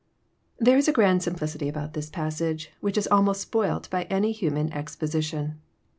There is a grand simplicity about this passage, which is almost spoilt by any human exposition.